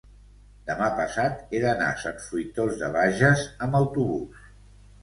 demà passat he d'anar a Sant Fruitós de Bages amb autobús.